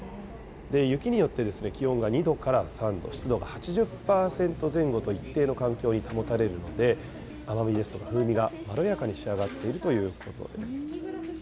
雪によって気温が２度から３度、湿度が８０％前後と、一定の環境に保たれるので、甘みですとか風味がまろやかに仕上がっているということです。